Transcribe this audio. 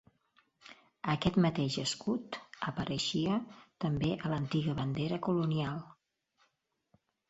Aquest mateix escut apareixia també a l'antiga bandera colonial.